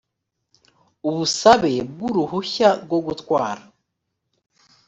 ubusabe bw uruhushya rwogutwara